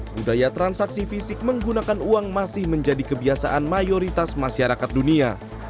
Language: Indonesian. budaya transaksi fisik menggunakan uang masih menjadi kebiasaan mayoritas masyarakat dunia